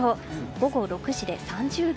午後６時で３０度。